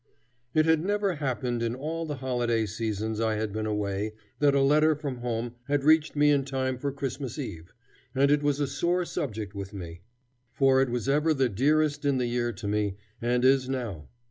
It had never happened in all the holiday seasons I had been away that a letter from home had reached me in time for Christmas Eve, and it was a sore subject with me. For it was ever the dearest in the year to me, and is now.